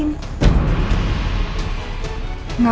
apa elsa sudah berubah